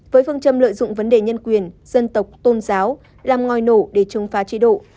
với phương châm lợi dụng vấn đề nhân quyền dân tộc tôn giáo làm ngòi nổ để chống phá chế độ